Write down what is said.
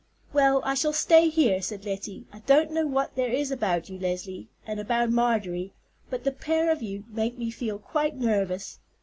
"Well, I shall stay here," said Lettie. "I don't know what there is about you, Leslie, and about Marjorie; but the pair of you make me feel quite nervous.